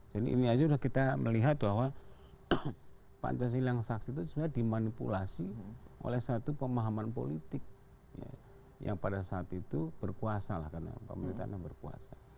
jadi ini aja kita sudah melihat bahwa pancasila yang sakti itu sebenarnya dimanipulasi oleh satu pemahaman politik yang pada saat itu berkuasa lah karena pemerintahan berkuasa